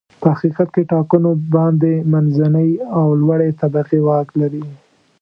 په حقیقت کې ټاکنو باندې منځنۍ او لوړې طبقې واک لري.